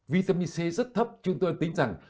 vitamin c rất thấp chúng tôi tính rằng